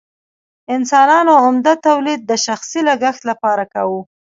انسانانو عمده تولید د شخصي لګښت لپاره کاوه.